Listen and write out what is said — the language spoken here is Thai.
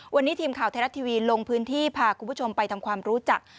วันนี้ทีมข่าวไทยรัฐทีวีลงพื้นที่พาคุณผู้ชมไปทำความรู้จัก